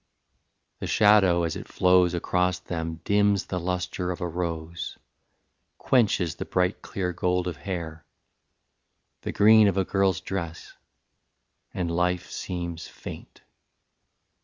The shadow as it flows Across them dims the lustre of a rose, Quenches the bright clear gold of hair, the green Of a girl's dress, and life seems faint.